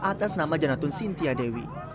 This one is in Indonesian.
atas nama janatun sintiadewi